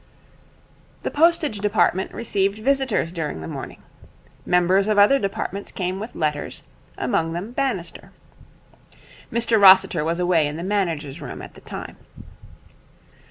The postage department received visitors during the morning. Members of other departments came with letters, among them Bannister. Mr Rossiter was away in the manager's room at the time.